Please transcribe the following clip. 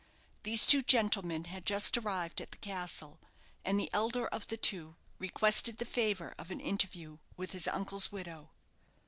These two gentlemen had just arrived at the castle, and the elder of the two requested the favour of an interview with his uncle's widow.